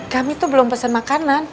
kami tuh belum pesan makanan